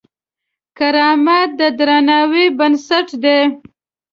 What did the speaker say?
کرامت د درناوي بنسټ دی.